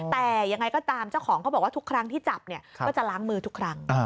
แต่ยังไงก็ตามเจ้าของเขาบอกว่าทุกครั้งที่จับเนี่ยก็จะล้างมือทุกครั้ง